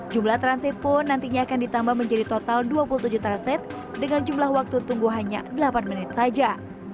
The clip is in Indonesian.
jumlah transit pun nantinya akan ditambah menjadi total dua puluh tujuh transit dengan jumlah waktu tunggu hanya delapan menit saja